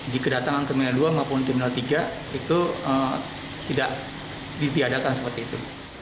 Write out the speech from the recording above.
di kedatangan terminal dua maupun terminal tiga itu tidak ditiadakan seperti itu